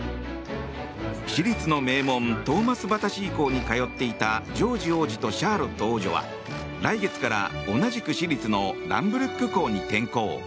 私立の名門トーマス・バタシー校に通っていたジョージ王子とシャーロット王女は来月から同じく私立のランブルック校に転校。